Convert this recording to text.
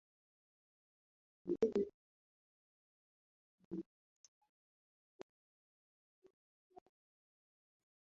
caldera kubwa ya volkeno inapatikana afrika mashariki